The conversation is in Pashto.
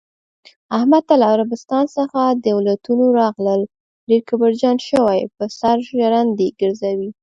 احمد ته له عربستان څخه دولتونه راغلل، ډېر کبرجن شوی، په سر ژرندې ګرځوی.